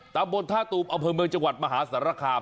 ดังบนถ้าตูปอำเภอเมร์จังหวัดมหาสรคาม